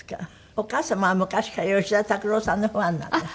お母様は昔から吉田拓郎さんのファンなんですって？